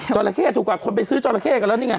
จราเข้ถูกกว่าคนไปซื้อจราเข้กันแล้วนี่ไง